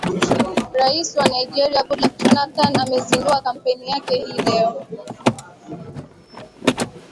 rais wa nigeria goodluck jonathan amezindua kampeni yake hii leo